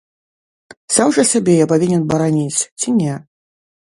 Сам жа сябе я павінен бараніць ці не?!